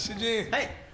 はい。